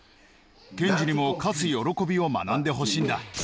剣侍にも勝つ喜びを学んでほしいんだ。